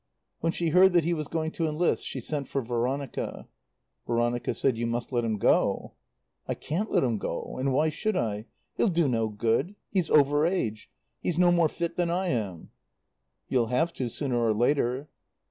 When she heard that he was going to enlist she sent for Veronica. Veronica said, "You must let him go." "I can't let him go. And why should I? He'll do no good. He's over age. He's no more fit than I am." "You'll have to, sooner or later."